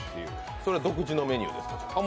それは独自のメニューですか？